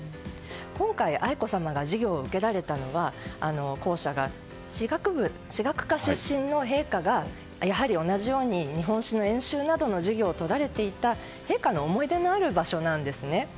今回、愛子さまが授業を受けられたのは校舎が、史学科出身の陛下がやはり同じように日本史の演習などの授業をとられていた陛下の思い出のある場所なんですね。